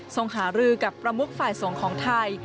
หารือกับประมุกฝ่ายส่งของไทย